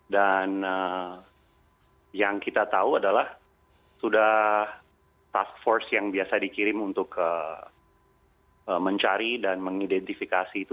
dan yang kita tahu adalah sudah task force yang biasa dikirim untuk mencari dan mengidentifikasi itu